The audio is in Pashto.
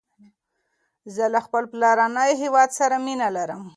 زه له خپل پلارنی هیواد سره مینه لرم